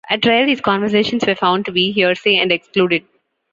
At trial these conversations were found to be hearsay and excluded.